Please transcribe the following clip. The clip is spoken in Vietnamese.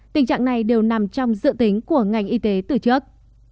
tình trạng này đều nằm trong dự tính của ngành y tế từ trước